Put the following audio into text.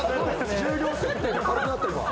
重量設定で軽くなってるわ。